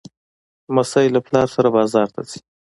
لمسی له پلار سره بازار ته ځي.